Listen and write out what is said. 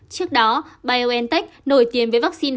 trước đó biontech nổi tiếng với vaccine